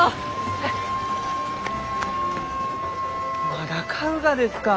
まだ買うがですか？